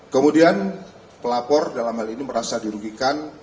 kemudian pelapor dalam hal ini merasa dirugikan